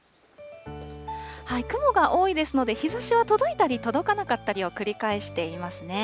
雲が多いですので、日ざしは届いたり届かなかったりを繰り返していますね。